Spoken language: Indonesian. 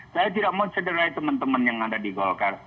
saya tidak mau cederai teman teman yang ada di golkar